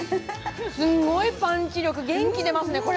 すごいパンチ力元気が出ますね、これ。